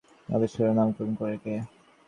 কোষ আবিষ্কার ও নামকরণ করেন কে?